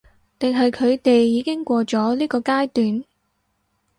定係佢哋已經過咗呢個階段？